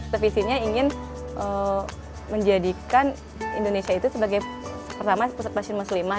sevisinya ingin menjadikan indonesia itu sebagai pertama passion muslimah